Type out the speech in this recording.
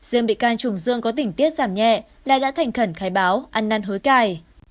riêng bị can trùng dương có tỉnh tiết giảm nhẹ lại đã thành khẩn khai báo ăn năn hối cài